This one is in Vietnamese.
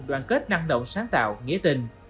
đoàn kết năng động sáng tạo nghĩa tình